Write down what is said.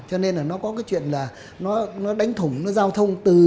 cho nên là nó có cái chuyện là nó đánh thủng nó giao thông